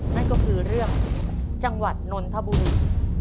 นั่นก็คือเรื่องจังหวัดนนทบุรี